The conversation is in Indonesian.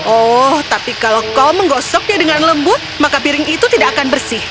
oh tapi kalau kau menggosoknya dengan lembut maka piring itu tidak akan bersih